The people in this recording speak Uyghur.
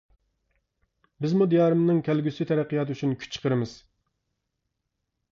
بىزمۇ دىيارىمنىڭ كەلگۈسى تەرەققىياتى ئۈچۈن كۈچ چىقىرىمىز.